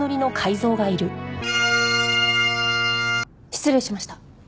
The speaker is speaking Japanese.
失礼しました。